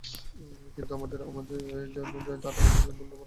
কিন্তু যাদের স্বজন যায়, তারা তো কোনো দিন ভুলতে পারে না।